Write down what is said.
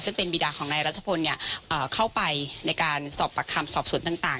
ซึ่งเป็นบีดาของนายราชพลเนี่ยอ่าเข้าไปในการสอบประคำสอบส่วนต่างต่าง